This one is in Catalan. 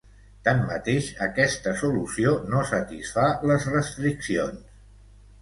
Tanmateix, aquesta solució no satisfà les restriccions.